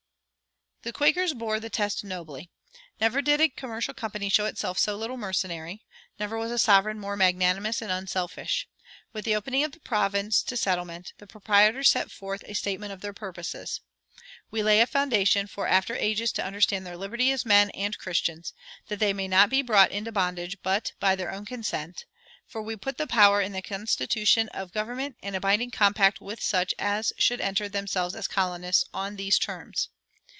The Quakers bore the test nobly. Never did a commercial company show itself so little mercenary; never was a sovereign more magnanimous and unselfish. With the opening of the province to settlement, the proprietors set forth a statement of their purposes: "We lay a foundation for after ages to understand their liberty as men and Christians, that they may not be brought into bondage but by their own consent; for we put the power in the people." This was followed by a code of "Concessions and Agreements" in forty four articles, which were at once a constitution of government and a binding compact with such as should enter themselves as colonists on these terms.